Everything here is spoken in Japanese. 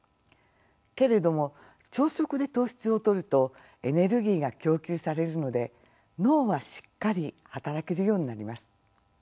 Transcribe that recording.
けれども朝食で糖質をとるとエネルギーが供給されるので脳はしっかり働けるようになります。